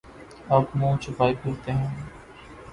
اب منہ چھپائے پھرتے ہیں۔